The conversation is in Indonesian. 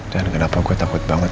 dan kenapa gue takut banget